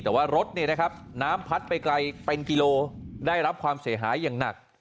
แต่ว่ารถน้ำพัดไปไกลเป็นกิโลได้รับความเสียหายอย่างหนัก